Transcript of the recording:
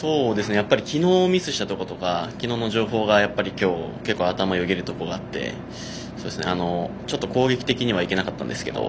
やっぱり昨日ミスしたところとか昨日の情報が今日結構、頭をよぎるところがあってちょっと攻撃的には行けなかったんですけど